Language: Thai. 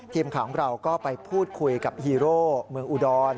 ทีมข่าวของเราก็ไปพูดคุยกับฮีโร่เมืองอุดร